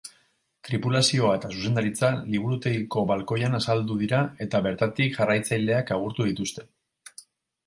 Tripulazioa eta zuzendaritza liburutegiko balkoian azaldu dira eta bertatik jarraitzaileak agurtu dituzte.